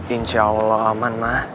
insya allah aman ma